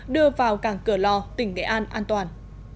đưa vào cảng cửa lò tỉnh nghệ an an toàn